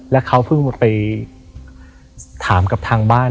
แล้วเขาเพิ่งไปถามกับทางบ้าน